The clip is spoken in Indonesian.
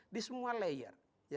di semua layer